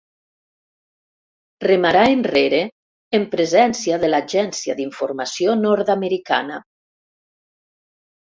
Remarà enrere en presència de l'agència d'informació nord-americana.